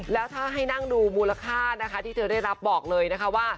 แล้วถ้าให้นั่งดูมูลค่านะคะที่เธอได้รับบอกเลยนะคะว่า